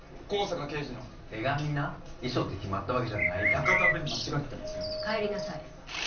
香坂刑事の「手紙」な遺書って決まったわけじゃないたい博多弁間違ってますよ帰りなさい